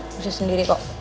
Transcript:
bisa sendiri kok